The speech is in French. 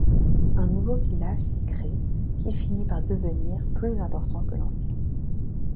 Un nouveau village s’y crée, qui finit par devenir plus important que l’ancien.